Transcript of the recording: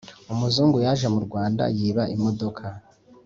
Umuzungu yaje mu Rwanda yiba imodoka